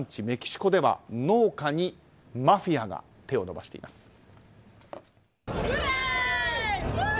メキシコでは農家にマフィアが手を伸ばしています。